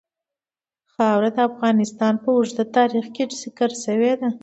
خاوره د افغانستان په اوږده تاریخ کې ذکر شوې ده.